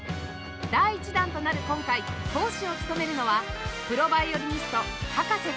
第１弾となる今回講師を務めるのはプロヴァイオリニスト葉加瀬